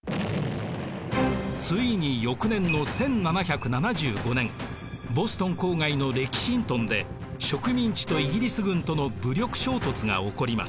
ついに翌年の１７７５年ボストン郊外のレキシントンで植民地とイギリス軍との武力衝突が起こります。